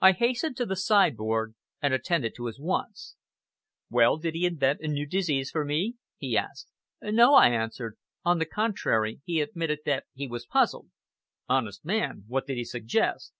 I hastened to the sideboard and attended to his wants. "Well, did he invent a new disease for me?" he asked. "No!" I answered. "On the contrary, he admitted that he was puzzled." "Honest man! What did he suggest?"